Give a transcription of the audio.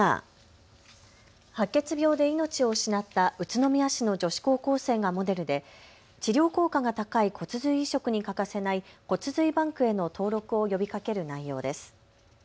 白血病で命を失った宇都宮市の女子高校生がモデルで治療効果が高い骨髄移植に欠かせない骨髄バンクへの登録を呼びかける内容です。